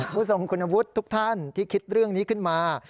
ผู้ทรงคุณวุฒิทุกท่านที่คิดเรื่องนี้ขึ้นมา